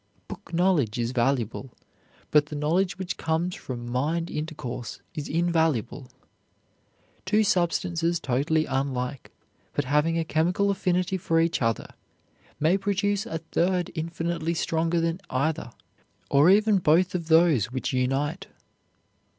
Book knowledge is valuable, but the knowledge which comes from mind intercourse is invaluable. Two substances totally unlike, but having a chemical affinity for each other, may produce a third infinitely stronger than either, or even both of those which unite.